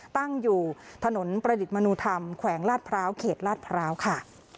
ตั้งอยู่ถนนประดิษฐ์มนุธรรมแขวงลาดพร้าวเขตลาดพร้าวค่ะ